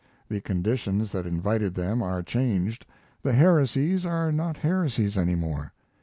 The conditions that invited them are changed; the heresies are not heresies any more.